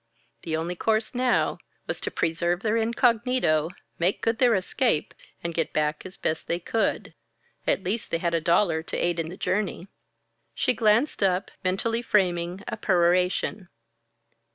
The only course now, was to preserve their incognito, make good their escape, and get back as best they could at least they had a dollar to aid in the journey! She glanced up, mentally framing a peroration.